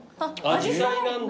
アジサイなんだ。